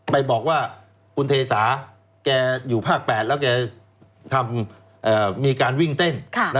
ไปบอกว่าคุณเทสาแกอยู่ภาค๘แล้วแกมีการวิ่งเต้น